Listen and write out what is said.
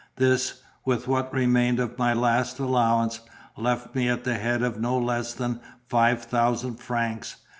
This, with what remained of my last allowance, left me at the head of no less than five thousand francs.